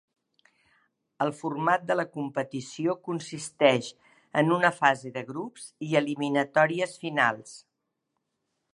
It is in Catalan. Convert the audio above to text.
El format de la competició consisteix en una fase de grups i eliminatòries finals.